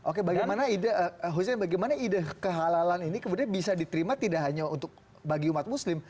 oke bagaimana ide halalan ini kemudian bisa diterima tidak hanya bagi umat muslim